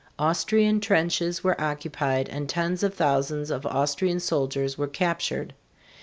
Austrian trenches were occupied and tens of thousands of Austrian soldiers were captured.